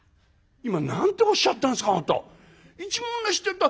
「今何ておっしゃったんですかあんた。